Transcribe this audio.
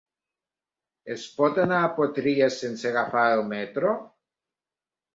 Es pot anar a Potries sense agafar el metro?